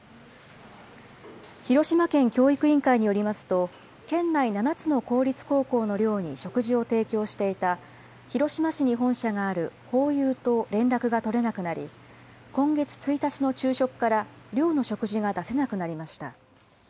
広島県教育委員会によりますと、県内７つの公立高校の寮に食事を提供していた、広島市に本社があるホーユーと連絡が取れなくなり、今月１日の昼食から寮の食事が出せなくなりました。